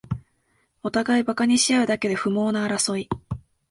おたがいバカにしあうだけで不毛な争い